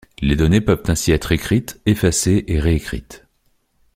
Les données peuvent ainsi être écrites, effacées et réécrites.